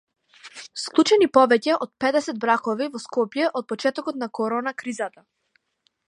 Склучени повеќе од педесет бракови во Скопје од почетокот на корона кризата